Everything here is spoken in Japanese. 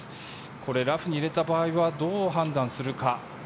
これ、ラフに入れた場合はどう判断するか。